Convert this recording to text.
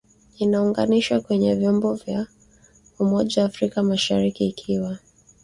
inaunganishwa kwenye vyombo vya umoja wa afrika mashariki ikiwa